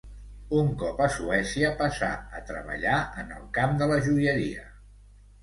Un cop a Suècia passà a treballar en el camp de la joieria.